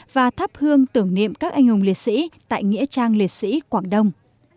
và thắp hương tưởng niệm các anh hùng liệt sĩ tại nghĩa trang liệt sĩ quảng đông